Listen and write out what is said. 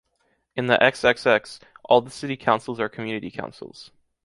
In the XXX, all the City Councils are Community Councils.